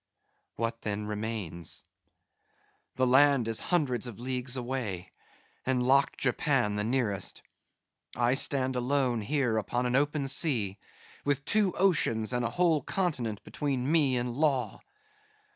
What, then, remains? The land is hundreds of leagues away, and locked Japan the nearest. I stand alone here upon an open sea, with two oceans and a whole continent between me and law.